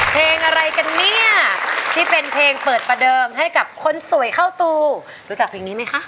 เพลงอะไรกันเนี่ยที่เป็นเพลงเปิดประเดิมให้กับคนสวยเข้าตูรู้จักเพลงนี้ไหมคะ